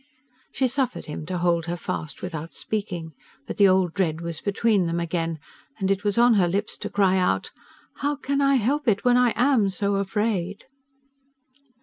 She suffered him to hold her fast without speaking; but the old dread was between them again, and it was on her lips to cry out: "How can I help it, when I AM so afraid?"